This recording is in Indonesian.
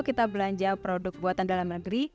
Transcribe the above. kita belanja produk buatan dalam negeri